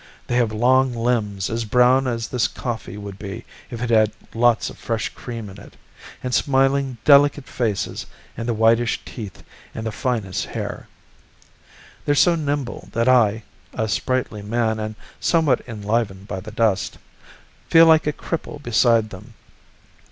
They have long limbs as brown as this coffee would be if it had lots of fresh cream in it, and smiling delicate faces and the whitish teeth and the finest hair. They're so nimble that I a sprightly man and somewhat enlivened by the dust feel like a cripple beside them.